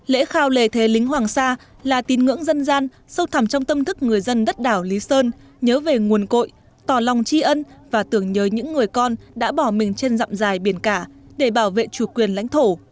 lễ khao lề thế lính hoàng sa là tín ngưỡng dân gian sâu thẳm trong tâm thức người dân đất đảo lý sơn nhớ về nguồn cội tỏ lòng tri ân và tưởng nhớ những người con đã bỏ mình trên dặm dài biển cả để bảo vệ chủ quyền lãnh thổ